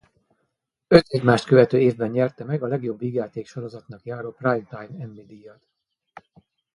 Öt egymást követő évben nyerte meg a legjobb vígjáték-sorozatnak járó Primetime Emmy-díjat.